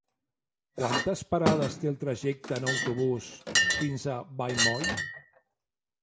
Quantes parades té el trajecte en autobús fins a Vallmoll?